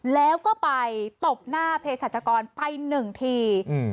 แล้วก็ไปตบหน้าเพศรัชกรไปหนึ่งทีอืม